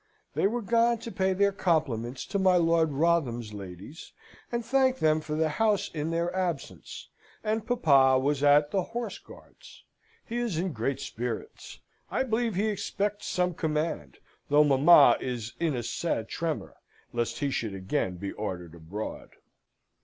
They were gone to pay their compliments to my Lord Wrotham's ladies, and thank them for the house in their absence; and papa was at the Horse Guards. He is in great spirits. I believe he expects some command, though mamma is in a sad tremor lest he should again be ordered abroad.